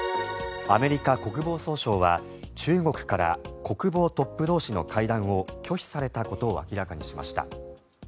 アメリカ国防総省は中国から国防トップ同士の会談を拒否されたことを明らかにしました。